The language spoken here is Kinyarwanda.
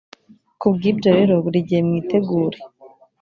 ku bw ibyo rero buri gihe mwitegure